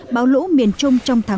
bão lũ miền trung trong tháng một mươi